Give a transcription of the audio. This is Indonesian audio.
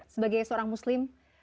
sebagai seorang muslim